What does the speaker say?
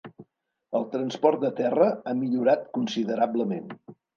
El transport de terra ha millorat considerablement.